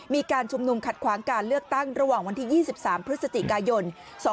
มีการชุมนุมขัดขวางการเลือกตั้งระหว่างวันที่๒๓พฤศจิกายน๒๕๖